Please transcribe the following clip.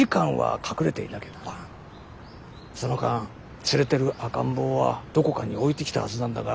その間連れてる赤ん坊はどこかに置いてきたはずなんだが。